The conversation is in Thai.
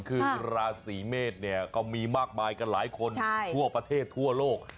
คือราศีเมษเนี่ยก็มีมากมายกันหลายคนทั่วประเทศทั่วโลก